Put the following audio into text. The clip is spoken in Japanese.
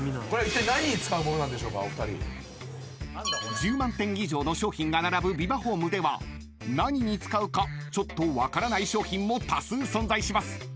［１０万点以上の商品が並ぶビバホームでは何に使うかちょっと分からない商品も多数存在します］